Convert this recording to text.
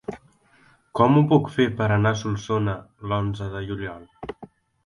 Com ho puc fer per anar a Solsona l'onze de juliol?